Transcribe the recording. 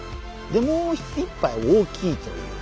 でもういっぱい大きいという。